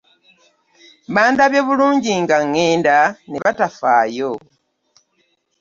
Bandabye bulungi nga ŋŋenda ne batafaayo.